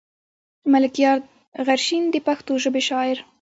ملکيار غرشين د پښتو ژبې شاعر.